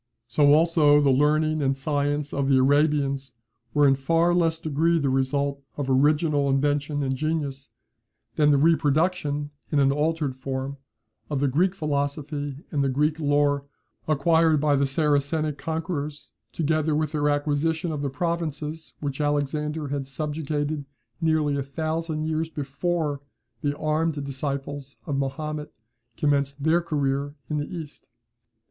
So, also, the learning and science of the Arabians were in a far less degree the result of original invention and genius, than the reproduction, in an altered form, of the Greek philosophy and the Greek lore, acquired by the Saracenic conquerors together with their acquisition of the provinces which Alexander had subjugated nearly a thousand years before the armed disciples of Mahomet commenced their career in the East.